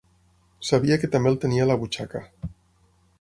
Sabia que també el tenia a la butxaca.